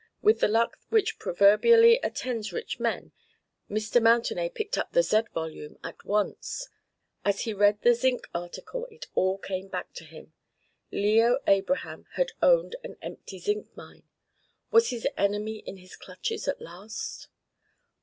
With the luck which proverbially attends rich men Mr. Mountenay picked up the "Z" volume at once. As he read the Zinc article it all came back to him. Leo Abraham had owned an empty zinc mine! Was his enemy in his clutches at last?